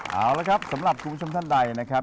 เอาละครับสำหรับคุณผู้ชมท่านใดนะครับ